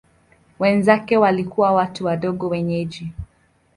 Wenzake walikuwa watu wa ndoa wenyeji.